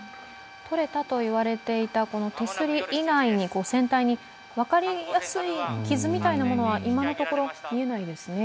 とれたと言われていた手すり以外に、船体に分かりやすい傷みたいなものは今のところ、見えないですね。